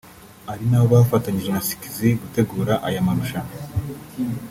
ari nabo bafatanyije na Skizzy gutegura aya marushanwa